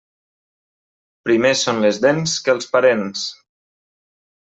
Primer són les dents que els parents.